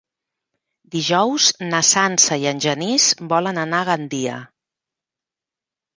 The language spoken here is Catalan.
Dijous na Sança i en Genís volen anar a Gandia.